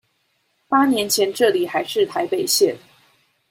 八年前這裡還是臺北縣